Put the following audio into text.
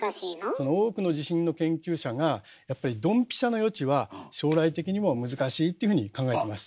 その多くの地震の研究者がやっぱりドンピシャの予知は将来的にも難しいっていうふうに考えてます。